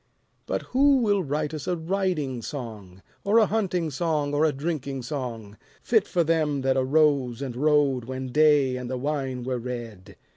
But who will write us a riding song, Or a hunting song or a drinking song, Fit for them that arose and rode When day and the wine were red?